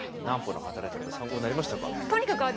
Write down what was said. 南畝の働き方参考になりましたか？